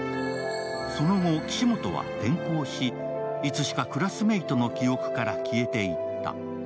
その後、岸本は転校し、いつしかクラスメイトの記憶から消えていった。